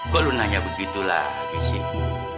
kok lu nanya begitu lagi sih